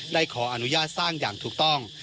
ได้ขออนุญาตสร้างอย่างถูกต้อง